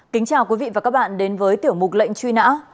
kính chào quý vị và các bạn đến với tiểu mục lệnh truy nã